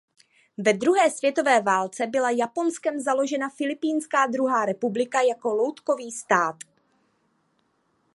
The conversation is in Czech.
Ve druhé světové válce byla Japonskem založena Filipínská druhá republika jako loutkový stát.